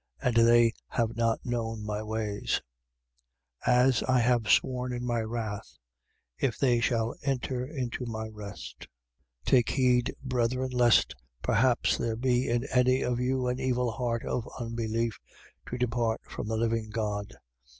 And they have not known my ways. 3:11. As I have sworn in my wrath: If they shall enter into my rest. 3:12. Take heed, brethren, lest perhaps there be in any of you an evil heart of unbelief, to depart from the living God.